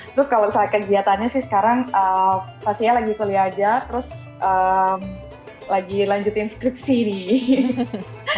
terus kalau misalnya kegiatannya sih sekarang pastinya lagi kuliah aja terus lagi lanjutin skripsi nih